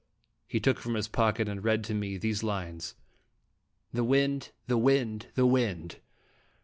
He took from his pocket and read to me these lines : THE WIND! THE WIND! THE WIND!